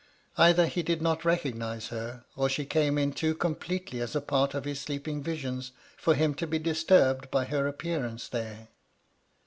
Either he did not recognise her, or she came in too completely as a part of his sleeping visions for him to be disturbed by her appearance there.